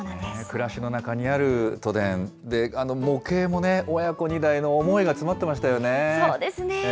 暮らしの中にある都電、模型もね、親子２代の思いが詰まってそうですね。